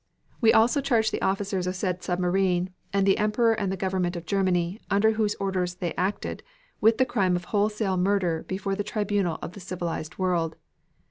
We also charge the officers of said submarine and the Emperor and the Government of Germany, under whose orders they acted, with the crime of wholesale murder before the tribunal of the civilized world.